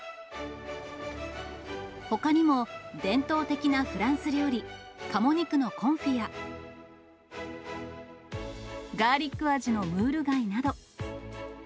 ほかにも、伝統的なフランス料理、カモ肉のコンフィや、ガーリック味のムール貝など。